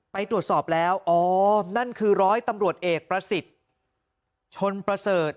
ไปตรวจสอบแล้วอ๋อนั่นคือร้อยตำรวจเอกประสิทธิ์ชนประเสริฐ